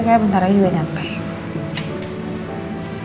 supir kayak bentar lagi udah nyampe